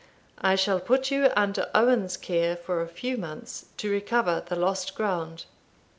I shall put you under Owen's care for a few months, to recover the lost ground."